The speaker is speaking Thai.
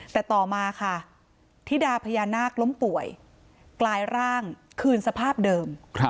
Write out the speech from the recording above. แต่ต่อมาค่ะธิดาพญานาคล้มป่วยกลายร่างคืนสภาพเดิม